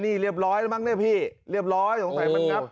นี่เรียบร้อยมั้งเนี่ยพี่เรียบร้อยของถ่ายมันครับ